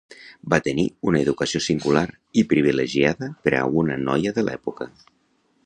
Va tenir una educació singular i privilegiada per a una noia de l’època.